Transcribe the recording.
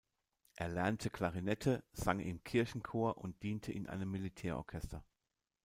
Er lernte Klarinette, sang im Kirchenchor und diente in einem Militärorchester.